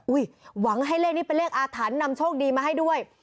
หวังให้เลขนี้เป็นเลขอาถรรพ์นำโชคดีมาให้ด้วย